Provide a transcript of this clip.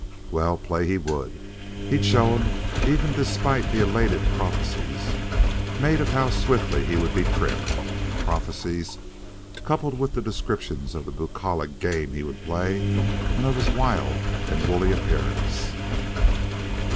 Well, play he would; he'd show 'em; even despite the elated prophesies made of how swiftly he would be trimmed prophesies coupled with descriptions of the bucolic game he would play and of his wild and woolly appearance.